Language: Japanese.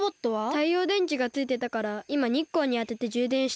たいようでんちがついてたからいまにっこうにあててじゅうでんしてる。